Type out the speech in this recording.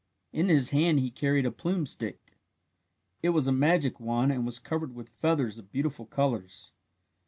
In his hand he carried a plume stick. It was a magic wand and was covered with feathers of beautiful colours.